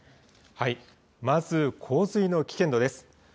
まず洪水の危険度です。